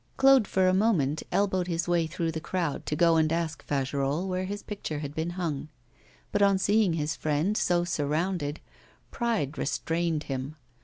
Claude for a moment elbowed his way through the crowd to go and ask Fagerolles where his picture had been hung. But on seeing his friend so surrounded, pride restrained him.